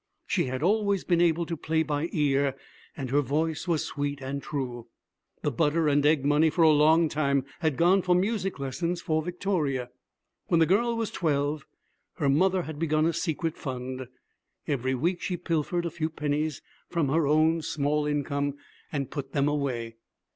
She had always been able to play by ear, and her voice was sweet and true. The butter and egg money for a long time had gone for music lessons for Victoria. When the girl was twelve, her mother had begun a secret fund. Every week she pilfered a few pennies from her own small income and put them away.